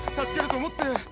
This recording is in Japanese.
助けると思って。